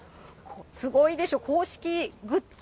すごいでしょ、公式グッズ